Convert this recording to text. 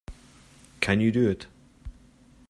Can you do it?